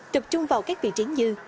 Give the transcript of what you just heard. tập trung vào các vị trí như